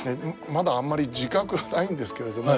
まだあんまり自覚がないんですけれども